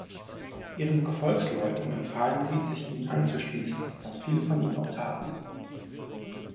Ihren Gefolgsleuten empfahlen sie, sich ihnen anzuschließen, was viele von ihnen auch taten.